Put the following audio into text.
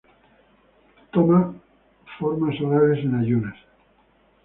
Tomar formas orales en ayunas.